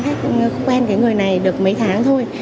khách cũng mới quen với người này được mấy tháng thôi